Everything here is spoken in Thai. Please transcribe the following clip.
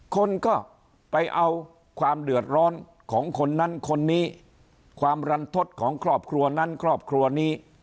คนก็ไปเอาความเดือดร้อนของคนนั้นคนนี้ความรันทศของครอบครัวนั้นครอบครัวนี้